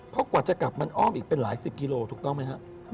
เพราะกว่าจะกลับมันอ้อมอีกเป็นหลายสิบกิโลถูกต้องไหมฮะ